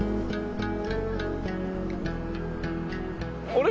あれ？